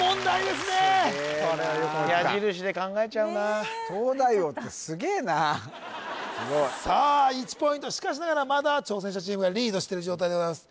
すげえな矢印で考えちゃうなねえすごいさあ１ポイントしかしながらまだ挑戦者チームがリードしてる状態でございます